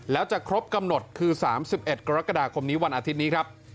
แล้วจะครบกำหนดคือ๓๑กรกฎาคมนี้วันอาทิตย์นี้ครับ